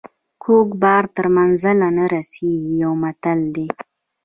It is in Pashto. کوږ بار تر منزله نه رسیږي یو متل دی.